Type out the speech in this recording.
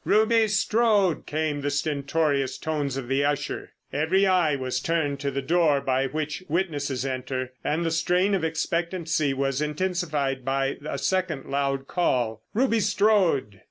"Ruby Strode!" came the stentorious tones of the usher. Every eye was turned to the door by which witnesses enter, and the strain of expectancy was intensified by a second loud call, "Ruby Strode!"